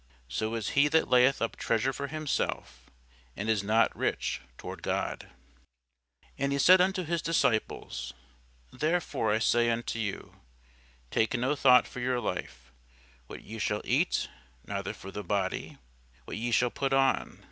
So is he that layeth up treasure for himself, and is not rich toward God. [Sidenote: St. Luke 12] And he said unto his disciples, Therefore I say unto you, Take no thought for your life, what ye shall eat; neither for the body, what ye shall put on.